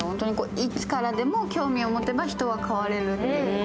いつからでも興味を持てば人は変われるという。